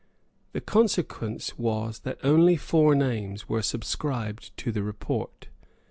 The consequence was that only four names were subscribed to the report.